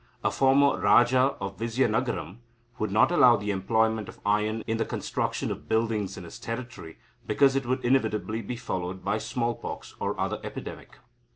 A former Raja of Vizianagram would not allow the employment of iron in the construction of buildings in his territory, because it would inevitably be followed by smallpox or other epidemic.